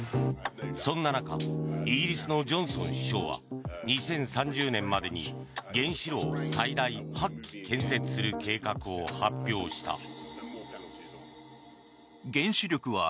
そんな中イギリスのジョンソン首相は２０３０年までに原子炉を最大８基建設する計画を発表した。